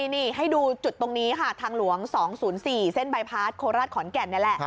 นี่ให้ดูจุดตรงนี้ค่ะทางหลวง๒๐๔เส้นใบพาสโคลาสขอนแก่น